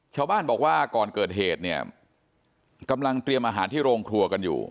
ชาวบ้านบอกว่าก่อนเกิดเหตุเนี่ยกำลังเตรียมอาหารที่โรงครัวกันอยู่